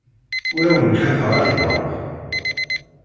Ur awen-kkateɣ ajewwaq.